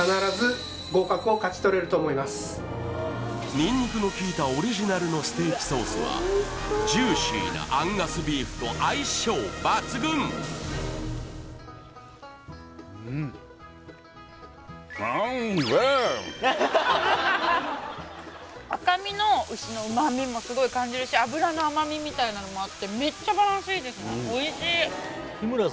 ニンニクの効いたオリジナルのステーキソースはジューシーなアンガスビーフと相性抜群赤身の牛の旨味もすごい感じるし脂の甘みみたいなのもあってめっちゃバランスいいですね